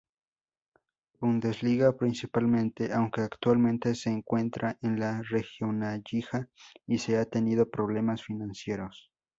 Bundesliga principalmente, aunque actualmente se encuentra en la Regionalliga y ha tenido problemas financieros.